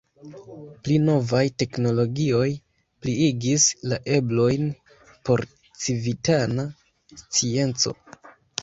Pli novaj teknologioj pliigis la eblojn por civitana scienco.